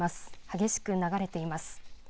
激しく流れています。